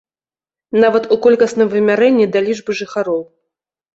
Нават у колькасным вымярэнні да лічбы жыхароў.